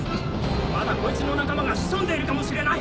まだこいつの仲間が潜んでいるかもしれない。